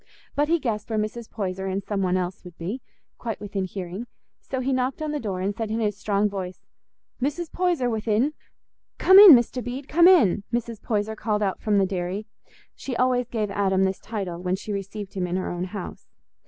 But he guessed where Mrs. Poyser and some one else would be, quite within hearing; so he knocked on the door and said in his strong voice, "Mrs. Poyser within?" "Come in, Mr. Bede, come in," Mrs. Poyser called out from the dairy. She always gave Adam this title when she received him in her own house.